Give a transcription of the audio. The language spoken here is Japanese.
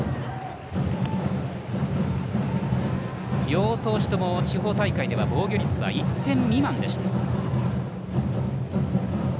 両投手とも地方大会では防御率は１点未満でした。